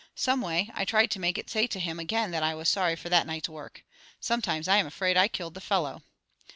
Some way, I tried to make it say to him again that I was sorry for that night's work. Sometimes I am afraid I killed the fellow."